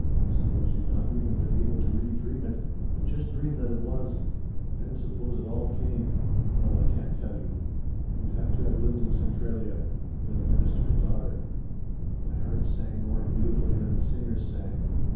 Suppose you'd not even been able to really dream it, but just dream that it was, and then suppose it all came No, I can't tell you. You'd have to have lived in Centralia and been a minister's daughter. "My heart sang more beautifully than the singers sang.